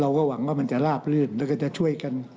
เราก็หวังว่ามันจะราบลื่นและก็จะช่วยกัน